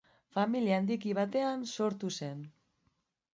Familia handiki batean sortu zen.